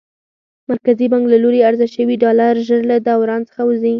مرکزي بانک له لوري عرضه شوي ډالر ژر له دوران څخه وځي.